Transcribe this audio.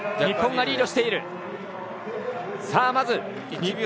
日本がリードしている。